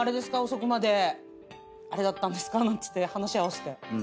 遅くまであれだったんですかなんつって話合わせて。